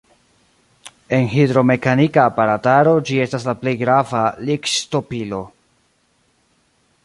En hidromekanika aparataro ĝi estas la plej grava likŝtopilo.